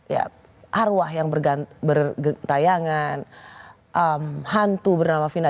ya arwah yang bergantian hantu bernama vina